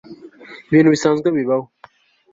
ibintu bisanzwe bibaho